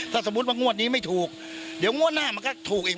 ถ้าสมมุติว่างวดนี้ไม่ถูกเดี๋ยวงวดหน้ามันก็ถูกอีก